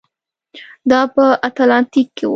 دا په اتلانتیک کې و.